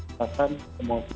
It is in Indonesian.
kita akan memulai